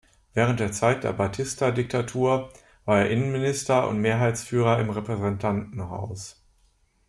Während der Zeit der Batista-Diktatur war er Innenminister und Mehrheitsführer im Repräsentantenhaus.